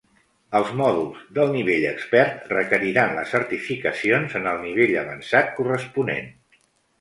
Els mòduls del nivell expert requeriran les certificacions en el nivell avançat corresponent.